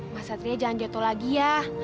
mas satria jangan jatuh lagi ya